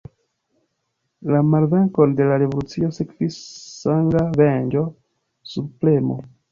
La malvenkon de la revolucio sekvis sanga venĝo, subpremo.